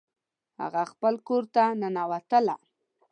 هغه خپل کور ته ننوتله